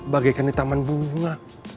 bagai kandang taman bunga